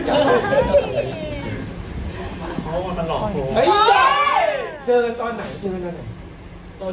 เขามาหลอกผมเจอกันตอนไหนเจอกันตอนไหน